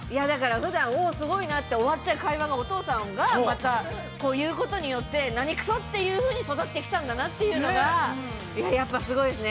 ◆ふだんすごいなって終われば会話がお父さんがまた言うことによって、何くそというふうに育ってきたんだなというのがいや、やっぱりすごいですね。